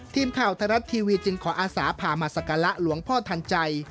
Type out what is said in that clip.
ทีมข่าวไทยรัฐทีวีจึงขออาสาพามาสักการะหลวงพ่อทันใจ